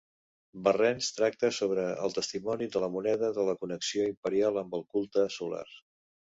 Berrens tracta sobre el testimoni de la moneda de la connexió imperial amb el culte solar.